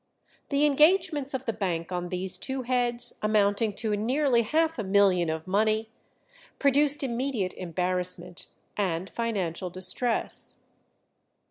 The engagements of the bank on these two heads amounting to nearly half a million of money, produced immediate embarrassment and financial distress.